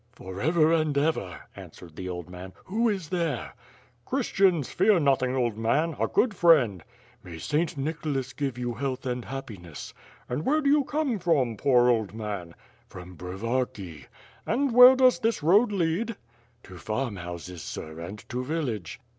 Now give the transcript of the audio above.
"For ever and ever," answered the old man. "Who is there?" "Ohristians, fear nothing, old man, a good friend." "May St. Nicholas give you health and happiness." "And where do you come from, poor old man?" "P>om Brovarki." "And where does this road lead?" WlfH PlitS AND SWORD, 255 "To farm houses, sir, and to village. ...